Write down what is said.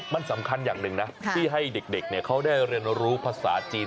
มันสำคัญอย่างหนึ่งนะที่ให้เด็กเขาได้เรียนรู้ภาษาจีน